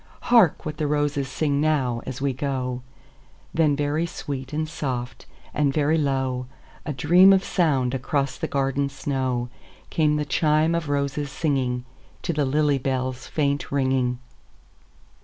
"Hark what the roses sing now, as we go;"Then very sweet and soft, and very low,—A dream of sound across the garden snow,—Came the chime of roses singingTo the lily bell's faint ringing.